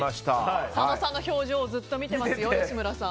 佐野さんの表情をずっと見てますよ、吉村さん。